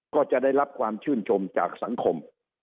ก็จะได้รับความชื่นชมจากสังคม